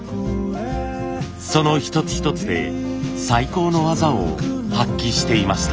その一つ一つで最高の技を発揮していました。